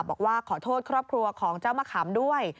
บอกว่าขอโทษครอบครัวของเจ้ามะขามด้วย